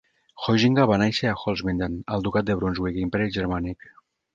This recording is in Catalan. Heusinger va néixer a Holzminden, al Ducat de Brunswick, Imperi Germànic